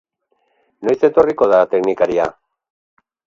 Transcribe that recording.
Noiz etorriko da teknikaria?